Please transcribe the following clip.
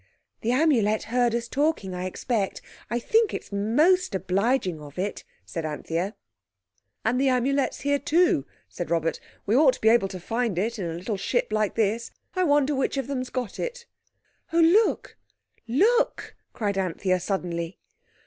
"The Amulet heard us talking, I expect. I think it's most obliging of it," said Anthea. "And the Amulet's here too," said Robert. "We ought to be able to find it in a little ship like this. I wonder which of them's got it." "Oh—look, look!" cried Anthea suddenly.